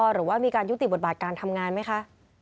หรือว่ามีการยุติบทบาทการทำงานไหมคะ